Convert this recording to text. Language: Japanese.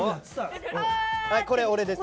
これ俺です。